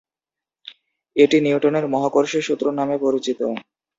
এটি নিউটনের মহাকর্ষ সূত্র নামে পরিচিত।